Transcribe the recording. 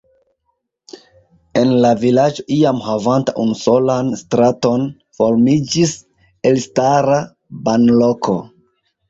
El la vilaĝo iam havanta unusolan straton formiĝis elstara banloko.